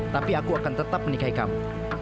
tapi aku akan tetap menikahi kamu